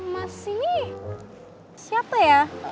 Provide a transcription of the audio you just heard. masih siapa ya